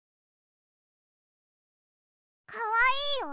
かわいいよ。